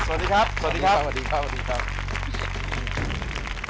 สวัสดีครับ